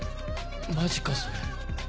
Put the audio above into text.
マジかそれ。